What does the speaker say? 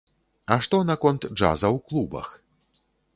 А што наконт джаза ў клубах?